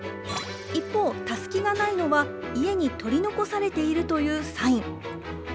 一方、たすきがないのは家に取り残されているというサイン。